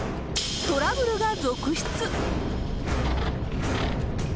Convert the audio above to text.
トラブルが続出。